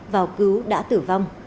vào cứu đã tử vong